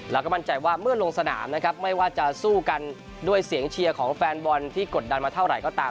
แล้วก็มั่นใจว่าเมื่อลงสนามนะครับไม่ว่าจะสู้กันด้วยเสียงเชียร์ของแฟนบอลที่กดดันมาเท่าไหร่ก็ตาม